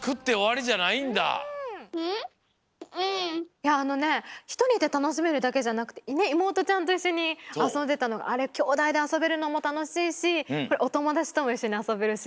いやあのねひとりでたのしめるだけじゃなくていもうとちゃんといっしょにあそんでたのがあれきょうだいであそべるのもたのしいしおともだちともいっしょにあそべるし。